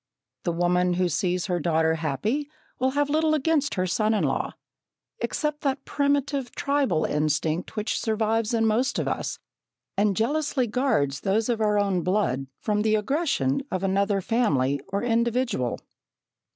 The woman who sees her daughter happy will have little against her son in law, except that primitive, tribal instinct which survives in most of us, and jealously guards those of our own blood from the aggression of another family or individual.